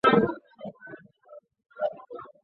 他们声称当那是为了国家的私利。